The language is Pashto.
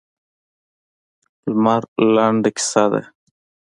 لمر لنډه کیسه ده.